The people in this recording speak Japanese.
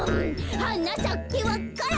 「はなさけわか蘭」